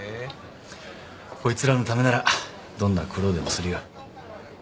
こいつらのためならどんな苦労でもするよ。